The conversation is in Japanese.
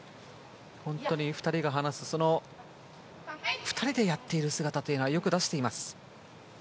２人が話す２人でやっている姿はよく出しています。